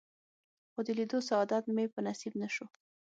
خو د لیدو سعادت مې په نصیب نه شو.